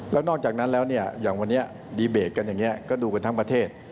แล้วนอกจากนั้นแล้วเนี่ยอย่างวันนี้ดีเบตกันอย่างนี้ก็ดูกันทั้งประเทศ